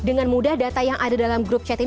dengan mudah data yang ada dalam group chat